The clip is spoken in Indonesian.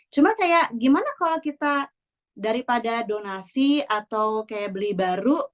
cuma kayak gimana kalau kita daripada donasi atau kayak beli baru